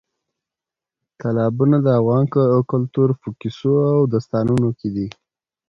تالابونه د افغان کلتور په کیسو او داستانونو کې دي.